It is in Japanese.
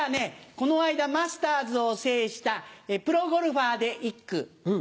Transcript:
この間マスターズを制したプロゴルファーで一句。